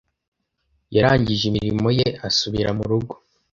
Yarangije imirimo ye asubira mu rugo.